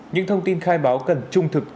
những thông tin khai báo cần trung thực